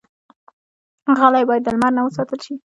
غلۍ باید د لمر نه وساتل شي.